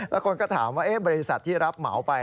แล้วคนก็ถามว่าบริษัทที่รับเหมาไป